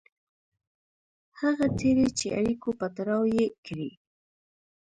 هغه تېري چې اړیکو په تړاو یې کړي.